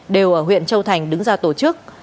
đều ở huyện châu thành đứng ra tổ chức